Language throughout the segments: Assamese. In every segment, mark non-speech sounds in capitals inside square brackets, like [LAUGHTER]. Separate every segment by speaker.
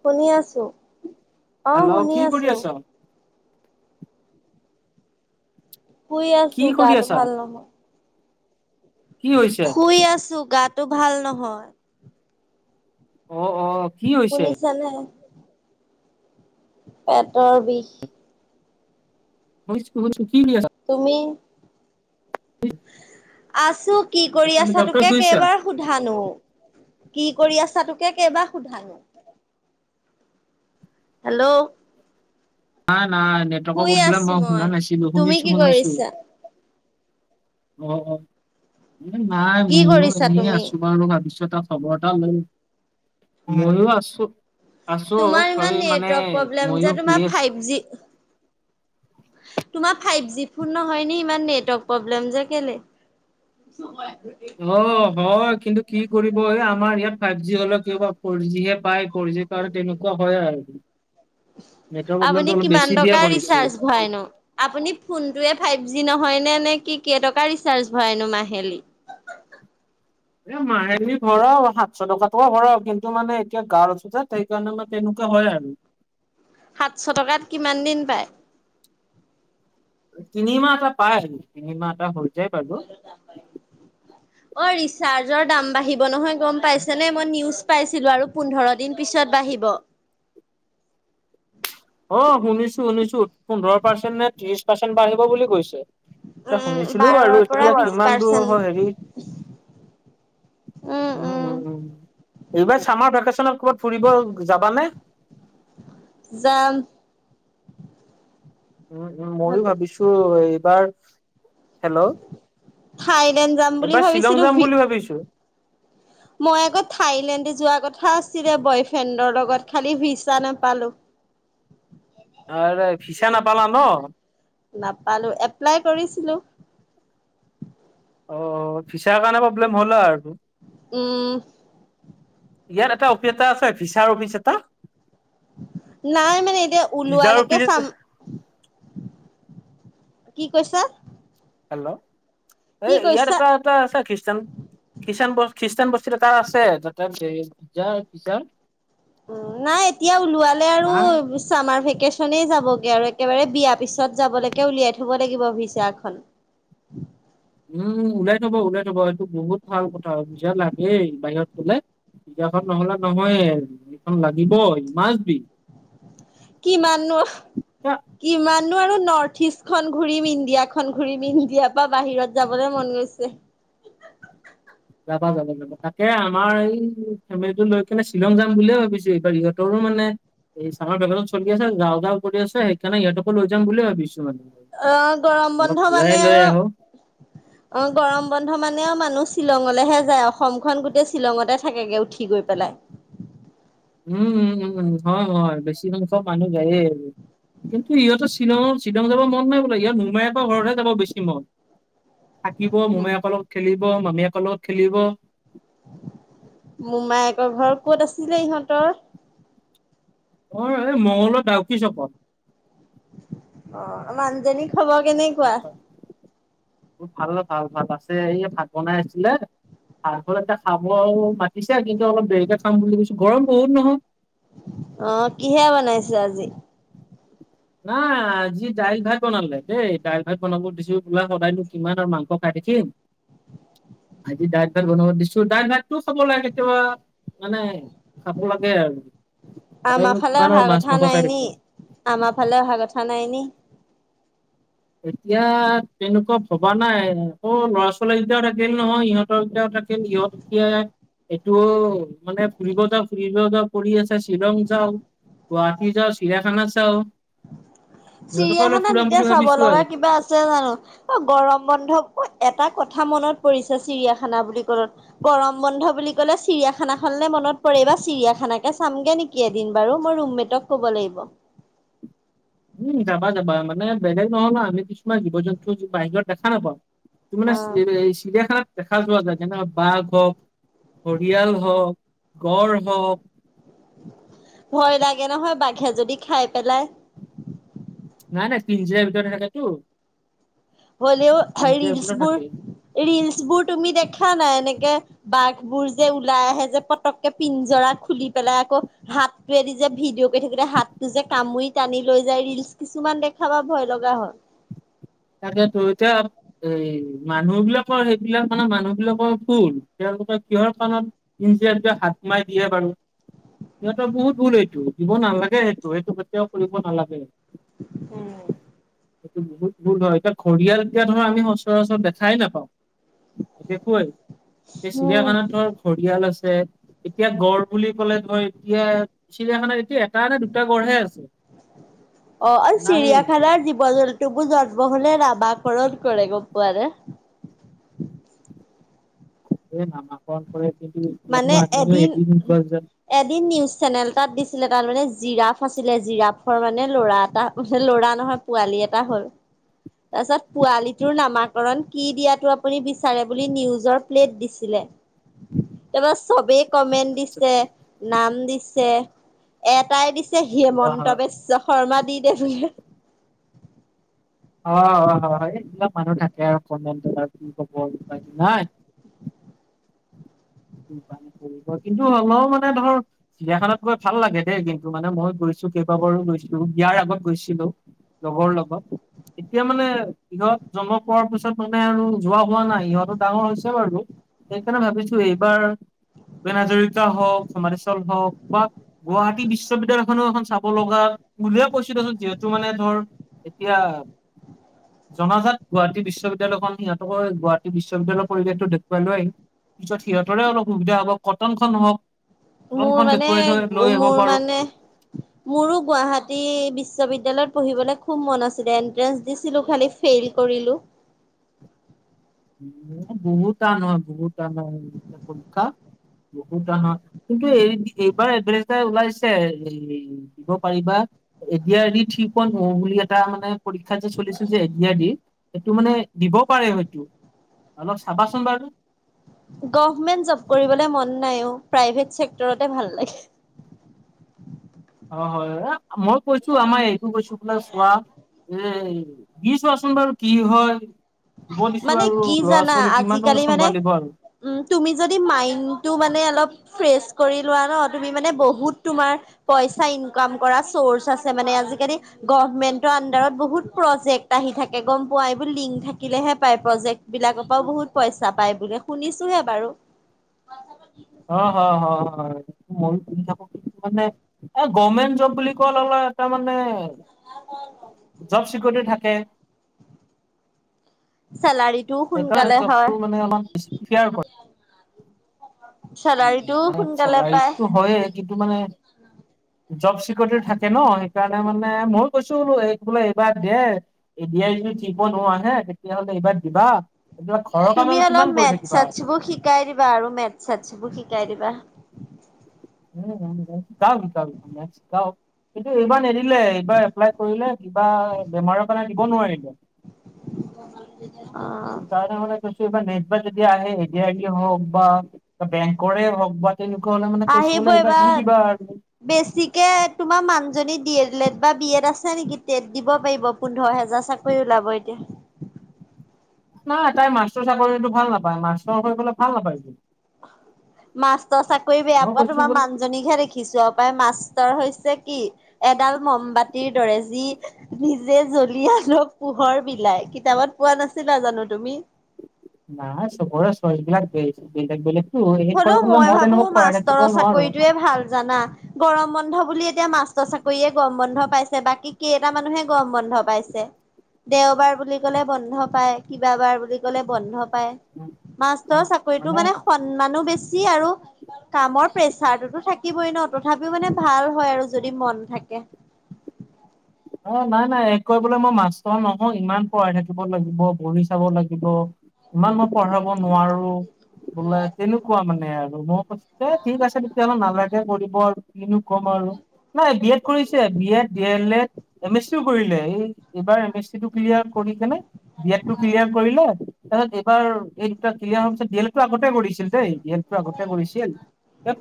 Speaker 1: শুনি আছোঁ, অ'
Speaker 2: হেল্ল'
Speaker 1: শুনি
Speaker 2: কি কৰি
Speaker 1: আছোঁ।
Speaker 2: আছ?
Speaker 1: শুই
Speaker 2: কি
Speaker 1: আছোঁ,
Speaker 2: কৰি
Speaker 1: গাটো
Speaker 2: আছা?
Speaker 1: ভাল নহয়।
Speaker 2: কি হৈছে?
Speaker 1: শুই আছোঁ, গাটো ভাল নহয়।
Speaker 2: অ', অ' কি হৈছে?
Speaker 1: চানে পেটৰ বিষ।
Speaker 2: শুনিছোঁ শুনিছোঁ, কি হৈ আছে?
Speaker 1: তুমি? আছোঁ, কি কৰি
Speaker 2: তুমি
Speaker 1: আছা
Speaker 2: ডক্টৰ
Speaker 1: টোকে
Speaker 2: শুনিছা?
Speaker 1: কেইবাৰ সোধানো, কি কৰি আছা টোকে কেইবাৰ সোধানো। হেল্ল'।
Speaker 2: নাই নাই, নেটৱৰ্কৰ
Speaker 1: শুই
Speaker 2: প্ৰব্লেম
Speaker 1: আছো
Speaker 2: মই শুনা নাছিলো,
Speaker 1: তুমি
Speaker 2: শুনিছোঁ
Speaker 1: কি
Speaker 2: শুনিছোঁ।
Speaker 1: কৰিছা?
Speaker 2: অ', অ' এ, নাই
Speaker 1: কি
Speaker 2: ময়ো
Speaker 1: কৰিছা
Speaker 2: এনে
Speaker 1: তুমি?
Speaker 2: আছোঁ, বাৰু ভাবিছোঁ এটা খবৰ এটা লও, ময়ো আছোঁ। আছোঁ
Speaker 1: তোমাৰ
Speaker 2: এই
Speaker 1: ইমান
Speaker 2: মানে
Speaker 1: নেটৱৰ্ক প্ৰব্লেম
Speaker 2: ময়ো
Speaker 1: যে,
Speaker 2: শুই
Speaker 1: তোমাৰ
Speaker 2: আছোঁ।
Speaker 1: ফাইভ জি তোমাৰ ফাইভ জি ফোন নহয় ন' ইমান নেটৱৰ্ক প্ৰব্লেম যে কেইলে?
Speaker 2: অ' হয় কিন্তু কি কৰিব এই আমাৰ ইয়াত ফাইভ জি হ'লেও কিয়বা ফ'ৰজি হে পাই। ফ'ৰজি কাৰণে তেনেকুৱা হয় আৰু। নেটৱৰ্ক প্ৰব্লেমটো অলপ বেছি দিয়া কৰিছে।
Speaker 1: হয় ন'। আপুনি ফোনটোয়ে ফাইভ জি নহয় নে, নে কি কেইটকাৰ ৰিচাৰ্জ ভৰাইনো মাহেলী?
Speaker 2: এ' মাহেলী ভৰাও সাতশ টকাকে ভৰাও কিন্তু মানে এতিয়া গাঁৱত আছোঁ যে সেইকাৰণে মানে তেনেকুৱা হয় আৰু।
Speaker 1: সাতশ টকাত কিমান দিন পায়?
Speaker 2: তিনিমাহ এটা পাই, তিনিমাহ এটা হৈ যায় বাৰু।
Speaker 1: অই ৰিচাৰ্জৰ দাম বাঢ়িব নহয় গম পাইছে নে মই নিয়ুজ পাইছিলো আৰু পোন্ধৰ দিন পিছত বাঢ়িব।
Speaker 2: অ', শুনিছো শুনিছো পোন্ধৰ পাৰ্চেণ্ট নে ত্ৰিশ পাৰ্চেণ্ট বাঢ়িব বুলি কৈছে। টা
Speaker 1: উম,
Speaker 2: শুনিছিলো
Speaker 1: বাৰৰ
Speaker 2: বাৰু
Speaker 1: পৰা
Speaker 2: এতিয়া
Speaker 1: বিশ
Speaker 2: কিমান দূৰ
Speaker 1: পাৰ্চেন্ট।
Speaker 2: হয় হেৰি
Speaker 1: [INAUDIBLE]
Speaker 2: উম, উম, উম, এইবাৰ চামাৰ ভেকেচনত ক'ৰবাত ফুৰিব যাবানে?
Speaker 1: যাম।
Speaker 2: উম, উম, ময়ো ভাবিছো এইবাৰ হেল্ল',
Speaker 1: থাইলেণ্ড যাম বুলি
Speaker 2: এইবাৰ শ্বিলং
Speaker 1: ভাবিছিলো
Speaker 2: যাম
Speaker 1: ভি
Speaker 2: বুলি ভাবিছো।
Speaker 1: মই আকৌ থাইলেণ্ড যোৱা কথা আছিলে বয়ফ্ৰেণ্ডৰ লগত খালি ভিছা নাপালো।
Speaker 2: আৰু ভিছা নাপালা ন'।
Speaker 1: নাপালো এপ্লাই কৰিছিলোঁ।
Speaker 2: অ', ভিছাৰ কাৰণে প্ৰব্লেম হ'ল আৰুটো
Speaker 1: উম।
Speaker 2: ইয়াত এটা অফিচ এটা আছে ভিচাৰ অফিচ এটা।
Speaker 1: নাই মানে এতিয়া
Speaker 2: পিজ্জাৰ
Speaker 1: ওলোৱালৈকে
Speaker 2: পিত
Speaker 1: চাম। কি কৈছা?
Speaker 2: হেল্ল', এই
Speaker 1: কি
Speaker 2: ইয়াত
Speaker 1: কৈছা
Speaker 2: এটা এটা আছে খ্ৰীষ্টান খ্ৰীষ্টান খ্ৰীষ্টানবস্তিত এটা আছে তাতে ভিছাৰ
Speaker 1: উম, নাই এতিয়া ওলোৱালে
Speaker 2: নাই
Speaker 1: আৰু চামাৰ ভেকেচনেই যাবগে আৰু একেবাৰে বিয়া পিছত যাবলৈকে উলিয়াই থ'ব লাগিব ভিচাখন।
Speaker 2: উম, ওলাই থ'ব ওলাই থ'ব এইটো বহুত ভাল কথা ভিছা লাগেই বাহিৰত গ'লে। বিয়াখন নহ'লে নহয়খন লাগিব ই মাছবি।
Speaker 1: কিমাননো কিমানো আৰু নৰ্থ ইষ্ট খন ঘুৰিম ইণ্ডিয়া খন ঘুৰিম ইণ্ডিয়াৰ পৰা বাহিৰত যাবলৈ মন গৈছে।
Speaker 2: যাবা যাবা যাবা, লাগিব তাকে আমাৰ এই ফেমিলিটো লৈ কিনে শ্বিলং যাম বুলিয়ে ভাবিছো এইবাৰ ইহঁত তৰো মানে এই চামাৰ ভিকেচন চলি আছে যাওঁ যাওঁ কৰি আছে, সেইকাৰণে ইহঁতকো লৈ যাম বুলি ভাবিছোঁ মানে।
Speaker 1: আহ, গৰম
Speaker 2: অলপ
Speaker 1: বন্ধ
Speaker 2: ঘূৰাই
Speaker 1: মানে
Speaker 2: লৈ
Speaker 1: আৰু
Speaker 2: আহো
Speaker 1: অ', গৰম বন্ধ মানেও মানুহ শ্বিলঙলৈহে যায় অসমখন গোটেই শ্বিলঙতে থাকেগৈ উঠি গৈ পেলাই।
Speaker 2: উম, উম, উম, উম, হয়, হয়, বেছি সংখ্য মানুহ যায়েই আৰু। কিন্তু ইহঁতৰ শ্বিলঙৰ শ্বিলং যাব মন নাই বোলে ইয়াত মোমায়েকৰ ঘৰতহে যাব বেছি মন। থাকিব মোমায়েকৰ লগত খেলিব মামীয়েকৰ লগত খেলিব।
Speaker 1: মোমায়েকৰ ঘৰ ক'ত আছিলে ইহঁতৰ?
Speaker 2: অ', এই মঙলৰ [UNINTELLIGIBLE] ডাউক চকত
Speaker 1: অ', মানুহজনীৰ খবৰ কেনে
Speaker 2: হয় [UNINTELLIGIBLE]
Speaker 1: [INAUDIBLE]
Speaker 2: ভাল ভাল ভাল আছে এই ভাত বনাই আছিলে ভাকৰ এতিয়া খাব আৰু ভ পিছা কিন্তু অলপ দেৰিকে খাম বুলি কৈছো, গৰম বহুত নহয়।
Speaker 1: অ', কিহে বনাইছে আজি?
Speaker 2: নাই আজি দাইল ভাত বনালে দেই দাইল ভাত বনাব দিছো, বোলা সদায়নো কিমান আৰু মাংস খাই থাকিম।
Speaker 1: [INAUDIBLE]
Speaker 2: আজি ডাইল ভাত বনাব দিছো ডাই তোৰ খবৰ [UNINTELLIGIBLE] লাগেতিিবা মানে খাব লাগে আৰু।
Speaker 1: আমাৰ
Speaker 2: সদায়নো
Speaker 1: ফালে
Speaker 2: কিমান আৰু
Speaker 1: অহা
Speaker 2: মাছ
Speaker 1: কথা
Speaker 2: মাংস খাই
Speaker 1: নাই নি?
Speaker 2: থাকিবা।
Speaker 1: আমাৰ ফালে অহা কথা নাই নি?
Speaker 2: এতিয়া তেনেকুৱা ভবা নাই। আকৌ ল'ৰা ছোৱালী কেইটাও থাকিল নহয়, ইহঁতৰ কেইটাও থাকিল, ইহঁত এতিয়া এইটো মানে ফুৰিব যাওঁ ফুৰিব যাওঁ কৰি আছে, শ্বিলং যাওঁ গুৱাহাটী যাও, চিৰাখানা চাও।
Speaker 1: চিৰিয়াখানা এতিয়া চাব
Speaker 2: ভাবিছো
Speaker 1: লগা
Speaker 2: আৰু
Speaker 1: কিবা আছে জানো। গৰম বন্ধত এটা কথা মনত পৰিছে চিৰিয়াখানা বুলি ক'লত। গৰম বন্ধ বুলি ক'লে চিৰিয়াখানা খনলে মনত পৰেব চিৰিয়াখান কে চামগে নেকি? কেদিন বাৰু মই ৰুমমেটক ক'ব লাগিব।
Speaker 2: উম, যাবা-যাবা মানে বেলেগ নহ'ল আমি কিছুমান জীৱ-জন্তু বাহিৰত দেখা নাপাওঁ। ত মানে চ
Speaker 1: অ'
Speaker 2: চিৰিয়াখানাত দেখা যোৱা যায়, যেনে বাঘ হওক। পৰিয়াল হওক, গড় হওক।
Speaker 1: ভয় লাগে নহয় বাঘে যদি খাই পেলাই।
Speaker 2: নাই-নাই পিজিৰা ভিতৰত থাকেতো।
Speaker 1: হ'লেও
Speaker 2: পিঞ্জিৰাৰ
Speaker 1: ৰিলচ
Speaker 2: ভিতৰত
Speaker 1: বোৰ,
Speaker 2: থাকে
Speaker 1: ৰিলচ বোৰ তুমি দেখা নাই এনেকে। বাঘ বোৰ যে ওলাই আহে যে পতককে পিঞ্জৰা খুলি পেলাই আকৌ হাতটোৱে দি যে ভিডিঅ' গৈ থাকোতে হাতটো যে কামুৰি টানি লৈ যায় ৰিলচ কিছুমান দেখাবা ভয় লগা হয়।
Speaker 2: টাকেটো এতিয়া। এই মানুহ বিলাকৰ সেইবিলাক মানে মানুহ বিলাকৰ ভুল। তেওঁলোকৰ কিহৰ কাৰনত পিঞ্জিৰা ভিতৰ হাত সোমাই দিয়ে বাৰু। সিহঁতৰ বহুত ভুল এইটো দিব নালাগে, সেইটো-সেইটো কেতিয়াও কৰিব নালাগে।
Speaker 1: উম,
Speaker 2: উহ [INAUDIBLE] ভুল হয়, এতিয়া ঘৰিয়াল এতিয়া ধৰ আমি সচৰাচৰ দেখাই নাপাওঁ নেদেখুৱেই। এই
Speaker 1: উম।
Speaker 2: চিৰিয়াখানাত ধৰ ঘৰিয়াল আছে। এতিয়া গড় বুলি ক'লে ধৰ এতিয়া চিৰিয়াখানাত এতিয়া এটা নে দুটা গড়হে আছে।
Speaker 1: অ, আৰু
Speaker 2: নায়েই
Speaker 1: চিৰিয়াখানাৰ জীৱ-জন্তু। তবোৰ জন্ম হলে নামাকৰণ কৰে গ'ম পোৱানে।
Speaker 2: এই নামাকৰণ কৰে কিন্তু ইয়ানো আননিও এদিন গ যে,
Speaker 1: এদিন নিউজ চেনেল তাত দিছিলে তাত মানে জিৰাফ আছিলে জিৰাফৰ মানে ল'ৰা এটা মানে ল'ৰা নহয়। পোৱালি এটা হ'ল। তাৰপিছত পোৱালিটোৰ নামাকৰণ কি দিয়াটো আপুনি বিচাৰে বুলি নিউজৰ প্লেট দিছিলে। তাৰপৰা চবেই কমেণ্ট দিছে। নাম দিছে এটাই দিছে
Speaker 2: হয়
Speaker 1: হেমন্ত
Speaker 2: হয়
Speaker 1: বিশ্ব শৰ্মা দি দে বুলি।
Speaker 2: অ, অ, হয়-হয়। এইবিলাক মানুহ থাকে আৰু কমেণ্ট ত কি কব উপাই নাই।
Speaker 1: [INAUDIBLE]
Speaker 2: কিন্তু হলেও মানে ধৰ, চিৰিয়াখনানাত গৈ ভাল লাগে দেই কিন্তু মানে মই গৈছো কেইবাবাৰো গৈছিলো বিয়াৰ আগত গৈছিলো। লগৰ লগত এতিয়া মানে কিহত জন্ম পোৱাৰ পিছত মানে আৰু। যোৱা হোৱা নাই, সিহঁতো ডাঙৰ হৈছে বাৰু সেইকাৰণে ভাবিছো এইবাৰ ভূপেহাজৰিকা হওক, সমান্ধিস্থল হওক বা গুৱাহাটী বিশ্ববিদ্যালয়খনো এখন চাব লগা বুলেই কৈছোঁ মানে যিহেতু মানে ধৰ এতিয়া জনাজাত গুৱাহাটী বিশ্ববিদ্যালয়খন সিহঁতকো গুৱাহাটী বিশ্ববিদ্যালয়ৰ পৰিৱেশটো দেখুৱাই লৈ আহিম। পিছত সিহঁততে অলপ সুবিধা হ'ব। কটনখন হওক,
Speaker 1: মোৰ
Speaker 2: কটনখন
Speaker 1: মানে,
Speaker 2: দেখুৱাই থৈ লৈ আহিব
Speaker 1: মোৰ
Speaker 2: পাৰো।
Speaker 1: মানে মোৰো গুৱাহী বিশ্ববিদ্যালয়ত পঢ়লে খুব মন আছিল এন্ট্ৰেঞ্চ দিছিলো খালী, ফেইল কৰিলোঁ।
Speaker 2: বহুত টান হয়, বহুত টান হয় পৰীক্ষা। বহুত টান হয় কিন্তু এই এইবাৰ এড্ৰেজ ওলাইছে, এই দিব পাৰিবা। A D R E three point O বুলি এটা মানে পৰীক্ষা যে চলিছিল যে এ ডি আৰ ৰ। সেইটো মানে দিব পাৰে হয়তো। অলপ চাবাচোন বাৰু তে।
Speaker 1: গভমেন্ট জব কৰিবলে মন নাই অ' প্ৰাইভে চেক্টৰতে ভাল লাগে।
Speaker 2: অ', হয় মই কৈছো আমাৰ এইটো কৈছো বোলে চোৱা এ দিছোৱাচোন বাৰু কি হয়। দিব দিছো
Speaker 1: মানে
Speaker 2: আৰু
Speaker 1: কি
Speaker 2: ল'ৰা
Speaker 1: জানা
Speaker 2: ছোৱালী কিমানো
Speaker 1: আজিকালি মানে
Speaker 2: চম্ভালিব আৰু।
Speaker 1: তুমি যদি মাইণ্ডটো মানে অলপ ফ্ৰেছ কৰি লোৱা ন' তুমি মানে বহুত তোমাৰ পইচা ইনকাম কৰা চৰ্চ আছে মানে, আজিকালি গভমেন্টৰ আণ্ডাৰত বহুত প্ৰজেক্ট আহি থাকে গম পোৱা, এইবোৰ লিংক থাকিলেহে পাই প্ৰজেক্ট বিলাকৰ পৰাও বহুত পইচা পায়, বোলে শুনিছোহে বাৰু।
Speaker 2: অ', হয়, হয়, হয়, ময়ো শুনি থাকো কিন্তু মানে এ গভমেণ্ট জব বুলি কোৱা ল'গে ল'গে এটা মানে জব চিকিউৰিটি থাকে।
Speaker 1: চেলাৰী
Speaker 2: সেইকাৰণে জবটো মানে অকন বেছি [UNINTELLIGIBLE] কৰে। উম,
Speaker 1: চেলাৰিটোও
Speaker 2: মানে
Speaker 1: সোনকালে পায়
Speaker 2: চেলাৰীটোতো হয়ে, কিন্তু মানে জব চিকিউৰিটিটো থাকে ন' সেইকাৰণে মানে ময়ো কৈছো বোলো এইক বোলে এইবাৰ দে। এ দি আৰ ই যদি থ্ৰী পইণ্ট অ' আহে তেতিয়াহলে এইবাৰ দিবা। এইবিলাক ঘৰৰ কাম
Speaker 1: তুমি
Speaker 2: আৰু কিমান
Speaker 1: অলপ
Speaker 2: কৰি
Speaker 1: মেথ
Speaker 2: থাকিবা
Speaker 1: ছেটচ
Speaker 2: আৰু
Speaker 1: বোৰ শিকাই দিবা আৰু মেথ ছেটচ বোৰ শিকাই দিবা।
Speaker 2: উম, উম, শিকাম শিকাম মেটচ শিকাওঁ। কিন্তু এইবাৰ নিদিলে এইবাৰ এপ্লাই কৰিলে কিবা বেমাৰৰ কাৰণে দিব নোৱাৰিলে।
Speaker 1: অ'।
Speaker 2: সেইকাৰণে মানে কৈছোঁ এইবাৰ নেক্সট বাৰ যদি আহে এদি আৰ ই এ হওক বা বেংকৰে হওক বা তেনেকুৱা হলে মানে কৈছো বলে এইবাৰ দি দিবা আৰু।
Speaker 1: বেছিকে তোমাৰ মানুহজনী ড এল এড বা বি এড আছে নেকি, টেট দিব পাৰিব। পোন্ধৰ হেজাৰ চাকৰি ওলাব এতিয়া।
Speaker 2: নাই তাই মাষ্টৰ চাকৰিটো ভাল নাপায় মাষ্টৰ হৈ পেলাই ভাল নাপায় বোলে।
Speaker 1: মাষ্টৰ চাকৰি বেয়া
Speaker 2: মই
Speaker 1: পোৱা
Speaker 2: কৈছো
Speaker 1: তোমাৰ
Speaker 2: বোলে
Speaker 1: মানুজনীকহে দেখি চু আৰু পাই মাষ্টৰ হৈছে কি এডাল মমবাতিৰ দৰে যি নিজে জ্বলি আনক পোহৰ বিলাই, কিতাপত পোৱা নাছিলা জানো তুমি?
Speaker 2: নাই চবৰে চয়চবিলাক ব বেলেগ বেলেগ।
Speaker 1: হ'লেও মই ভাবো মাষ্টৰৰ
Speaker 2: নোৱাৰো।
Speaker 1: চাকৰিটোয়ে ভাল জানা। গৰম বন্ধ বুলি এতিয়া মাষ্টৰ চাকৰিয়ে গৰম বন্ধ পাইছে, বাকী কেইটা মানুহে গৰম বন্ধ পাইছে। দেওবাৰ বুলি ক'লে বন্ধ পায়, কিবাবাৰ বুলি ক'লে বন্ধ পায়। মাষ্টৰ চাকৰিটো মানে সন্মানো বেছি আৰু কামৰ প্ৰেচাৰটোতো থাকিবই ন' তথাপিও মানে ভাল হয়, আৰু যদি মন থাকে।
Speaker 2: অ', নাই নাই এক কৰিবলৈ মই মাষ্টৰ নহয় ইমান পঢ়াই থাকিব লাগিব বহি চাব লাগিব। ইমান মই পঢ়াব নোৱাৰো। বোলে তেনেকুৱা মানে আৰু মই কৈছো যে, ঠিক আছে তেতিয়াহ'লে নালাগে কৰিব আৰু কিনো কম আৰু নাই বি এড কৰিছে B Ed D El Ed. M S চিও কৰিলে, এই এইবাৰ এম এছ চি টো ক্লিয়াৰ কৰি কেনে বি এড টো ক্লিয়াৰ কৰিলে তাৰপিছত এইবাৰ এই দুটা ক্লিয়েৰ হোৱা পাছত দি এল এডটো আগতে কৰিছিল দেই। দি এল এডটো আগতে কৰিছিল,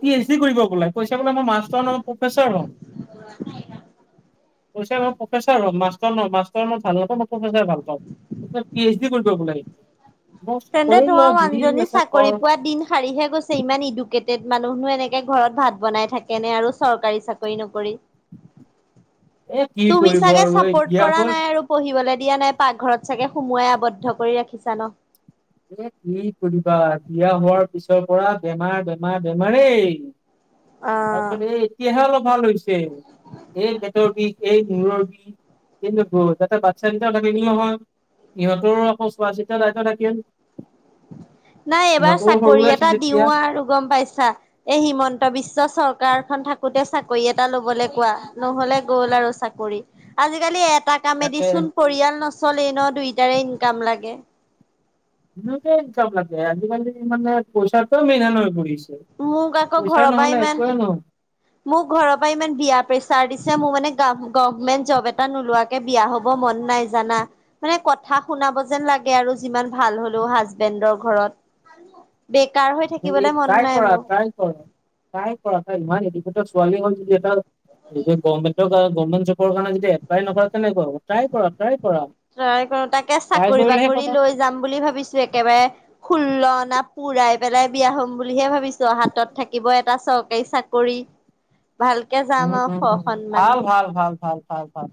Speaker 2: পি এইচ ডি কৰিব বোলে কৈছে বোলে মই মাষ্টৰ নহও প্ৰফেচৰ হ'ম।
Speaker 1: [UNINTELLIGIBLE]
Speaker 2: কৈচে মই প্ৰফেচাৰ হম, মাষ্টৰ নহও, মাষ্টৰ মই ভাল নাপাওঁ মই প্ৰফেচাৰ ভাল পাওঁ। এতিয়া পি এইচ ডি কৰিব বোলে সি।
Speaker 1: তেন্তে তোমাৰ মানুজনী
Speaker 2: আছে
Speaker 1: চাকৰি
Speaker 2: কৰ।
Speaker 1: পোৱা দিন শাৰীহে গৈছে ইমান ইদু কেটেট মানুহনো এনেকে ঘৰত ভাত বনাই থাকে নে, আৰু চৰকাৰী চাকৰি নকৰি।
Speaker 2: এ কি
Speaker 1: তুমি
Speaker 2: কৰিব
Speaker 1: চাগে
Speaker 2: আৰু এই
Speaker 1: চাপৰ্ট
Speaker 2: বিয়া
Speaker 1: কৰা
Speaker 2: হ'ল
Speaker 1: নাই আৰু পঢ়িবলৈ দিয়া নাই পাকঘৰত চাগে সুমোৱাই আৱদ্ধ কৰি ৰাখিছা ন'?
Speaker 2: এ কি কৰিবা বিয়া হোৱাৰ পিছৰ পৰা বেমাৰ বেমাৰ বেমাৰেই।
Speaker 1: অ'।
Speaker 2: তাৰপিছত এই এতিয়াহে অলপ ভাল হৈছে এই পেটৰ বিষ, এই মূৰৰ বিষ কিন্তু [UNINTELLIGIBLE] তাতে বাচ্ছা কেইটাও থাকিলে নহয় ইহঁতৰো আকৌ চোৱা চিতা দায়িত্ব থাকিল।
Speaker 1: নাই এবাৰ
Speaker 2: সিহঁতো
Speaker 1: চাকৰি
Speaker 2: সৰুৱে আছিল
Speaker 1: এটা
Speaker 2: তেতিয়া
Speaker 1: দিও আৰু গম পাইছা। এ হিমন্ত বিশ্ব চৰকাৰখন থাকোতে চাকৰি এটা লবলৈ কোৱা, নহলে গল আৰু চাকৰি। আজিকালি এটা কামেদি
Speaker 2: তাকে
Speaker 1: চোন পৰিয়াল নচলেই নহ, দুইটাৰে ইনকাম লাগে।
Speaker 2: দুইটাৰে ইনকাম লাগে, আজিকালি মানে পইচা মেইন হান হৈ পৰিছে।
Speaker 1: মোক আকৌ
Speaker 2: পইচা
Speaker 1: ঘৰৰ পৰা
Speaker 2: নহলে
Speaker 1: ইমান
Speaker 2: একোৱে নহয়।
Speaker 1: মোক ঘৰৰ পৰা ইমান বিয়া প্ৰেচাৰ দিছে মোৰ মানে গাভ গভমেন্ট জব এটা নোলোৱা একে বিয়া হব মন নাই জানা। মানে কথা শুনাব যেন লাগে আৰু যিমান ভাল হলেও হাজবেণ্ডৰ ঘৰত। বেকাৰ হৈ থাকিবলে মন নাই মোৰ।
Speaker 2: হয়, তাই কয় ইমান এদুকেটেড ছোৱালী হল যদি এটা লেটেষ্ট গভমেন্ত কাৰত গভমেণ্ট জবৰ কাৰণে যদি এপ্লাই নকৰে কেনেকুৱা হব ট্ৰাই কৰা ট্ৰাই কৰা।
Speaker 1: ট্ৰাই কৰো তাকে
Speaker 2: ট্ৰাই
Speaker 1: চাকৰি
Speaker 2: কৰিলেহে
Speaker 1: বাকৰি
Speaker 2: পাবা,
Speaker 1: লৈ যাম বুলি ভাবিছো একেবাৰে ষোল্ল অনা পুৰাই পেলাই বিয়া হম বুলিহে ভাবিছো হাতত থাকিব এটা চৰকাৰী চাকৰি। ভাল।
Speaker 2: উম, উম, উম। ভাল, ভাল। ভাল, ভাল। ভাল, ভাল।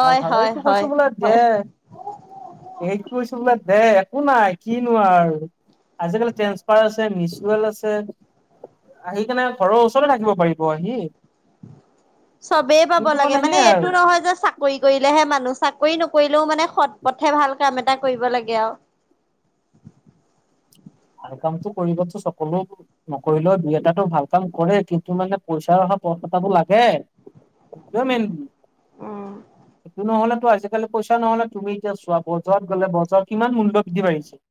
Speaker 2: ভাল ভাল
Speaker 1: হয়
Speaker 2: এইকো
Speaker 1: হয়
Speaker 2: কৈছোঁ বোলে দে
Speaker 1: হয়
Speaker 2: এইকো কৈছোঁ বোলে দে একো নাই কিনো আৰু আজিকালি ট্ৰেন্সফাৰ আছে, মিচুৱেল আছে। আহি কেনে ঘৰৰ ওচৰ থাকিব পাৰিব আহি।
Speaker 1: চবেই পাব
Speaker 2: কিন্তু
Speaker 1: লাগে, মানে
Speaker 2: সেইয়াই আৰু।
Speaker 1: এইটো নহয় যে চাক কৰি কৰিলেহে, মানুহ চাকৰি নকৰিলেও মানেও সৎ পথে ভাল কাম এটা কৰিব লাগে আৰু।
Speaker 2: ভাল কামতো কৰিবতো চকলো নকৰিলেও দুই এটাটো ভাল কাম কৰে, কিন্তু মানে পইচা অহা পথ এটাটো লাগে। সেইটোৱে মেইন বোলো,
Speaker 1: উম।
Speaker 2: এইটো নহলেতো আজিক কালি পইচা নহলে তুমি এতিয়া চোৱা, বজাৰত গলে বজাৰত কিমান মূল্য বৃদ্ধি বাঢ়িছে।